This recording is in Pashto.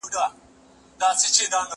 هغه وویل چې منډه ښه ده!!